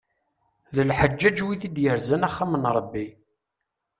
D lḥeǧǧaǧ wid i d-yeẓran axxam n Ṛebbi.